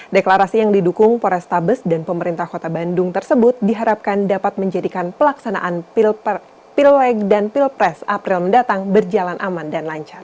deklarasi yang didukung porestabes dan pemerintah kota bandung tersebut diharapkan dapat menjadikan pelaksanaan pilek dan pilpres april mendatang berjalan aman dan lancar